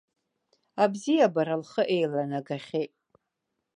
Абзиабара лхы еиланагахьеит.